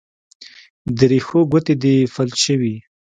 د رېښو ګوتې دې فلج شوي